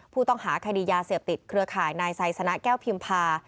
ผู้ต้องหาคดียาเสพติดเครือข่ายนายไซสนะแก้วพิมพา